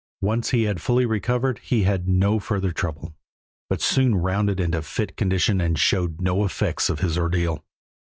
Once he had fully recovered he had no further trouble, but soon rounded into fit condition and showed no effects of his ordeal.